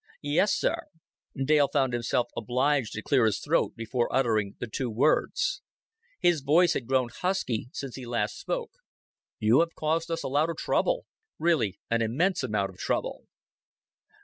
"Yes, sir." Dale found himself obliged to clear his throat before uttering the two words. His voice had grown husky since he last spoke. "You have caused us a lot of trouble really an immense amount of trouble."